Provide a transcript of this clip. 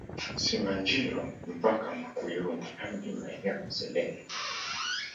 Simanjiro mpaka Makuyuni hadi maeneo ya Selela